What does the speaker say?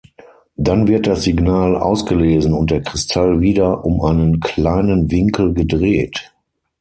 Dann wird das Signal ausgelesen und der Kristall wieder um einen kleinen Winkel gedreht.